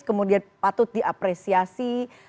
kemudian patut diapresiasi